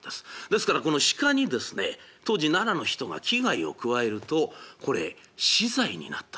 ですからこの鹿にですね当時奈良の人が危害を加えるとこれ死罪になったという。